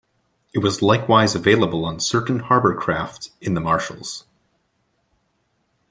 It was likewise available on certain harbor craft in the Marshalls.